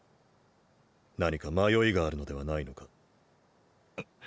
何か迷いがあるのではないのか？